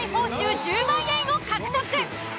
１０万円を獲得。